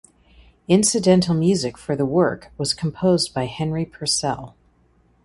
Incidental music for the work was composed by Henry Purcell.